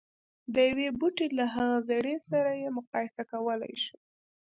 د يوه بوټي له هغه زړي سره يې مقايسه کولای شو.